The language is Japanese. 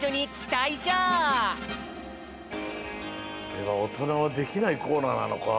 これはおとなはできないコーナーなのか？